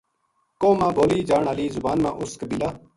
قوم ما بولی جان ہالی زبان ما اُس قبیلہ